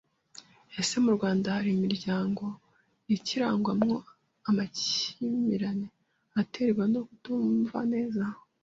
Ese mu Rwanda hari imiryango ikirangwamo amakimirane aterwa no kutumva neza